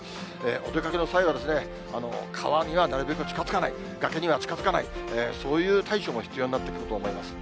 お出かけの際は、川にはなるべく近づかない、崖には近づかない、そういう対処も必要になってくると思います。